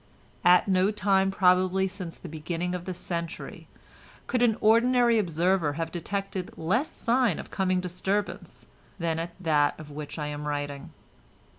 At no time probably since the beginning of the century could an ordinary observer have detected less sign of coming disturbance than at that of which I am writing.